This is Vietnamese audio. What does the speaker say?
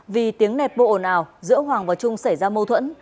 vì tiếng nẹp bô ồn ào giữa hoàng và trung xảy ra mâu thuẫn